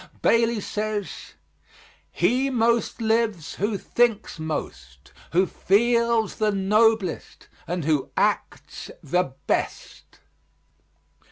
Bailey says: "He most lives who thinks most, who feels the noblest, and who acts the best."